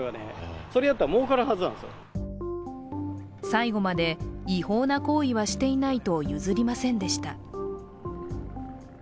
最後まで違法な行為はしていないと譲りませんでした。